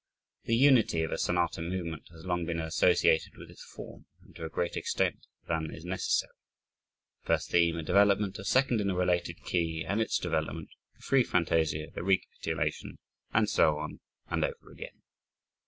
The unity of a sonata movement has long been associated with its form, and to a greater extent than is necessary. A first theme, a development, a second in a related key and its development, the free fantasia, the recapitulation, and so on, and over again.